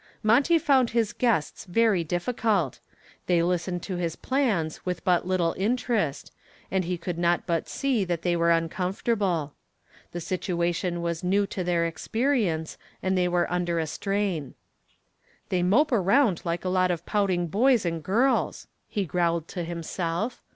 Monty found his guests very difficult. They listened to his plans with but little interest, and he could not but see that they were uncomfortable. The situation was new to their experience, and they were under a strain. "They mope around like a lot of pouting boys and girls," he growled to himself.